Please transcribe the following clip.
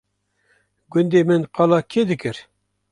gundê min qala kê dikir